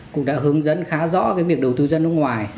cũng đã hướng dẫn khá rõ cái việc đầu tư dân nước ngoài